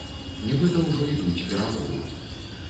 Нібыта, ужо ідуць перамовы.